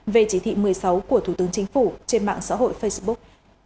về chỉ thị một mươi sáu của thủ tướng chính phủ trên mạng xã hội facebook